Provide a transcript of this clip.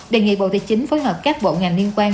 đề nghị bộ tài chính phối hợp các bộ ngành liên quan